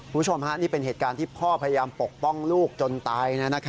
คุณผู้ชมฮะนี่เป็นเหตุการณ์ที่พ่อพยายามปกป้องลูกจนตาย